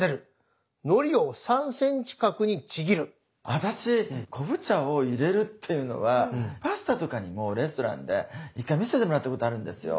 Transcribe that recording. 私昆布茶を入れるっていうのはパスタとかにもレストランで１回見せてもらったことあるんですよ。